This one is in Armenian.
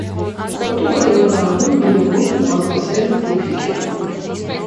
Պտուղը երկարավուն, միաբուն, բազմասերմ տուփիկ է։